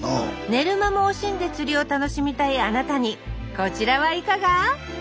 寝る間も惜しんで釣りを楽しみたいあなたにこちらはいかが？